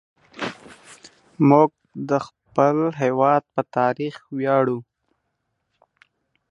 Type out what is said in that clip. موږ د خپل هېواد په تاريخ وياړو.